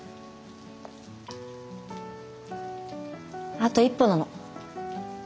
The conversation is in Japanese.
あと一歩なの。